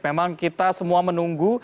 memang kita semua menunggu